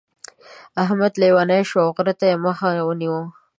احمد لېونی شو او غره ته يې مخ ونيو.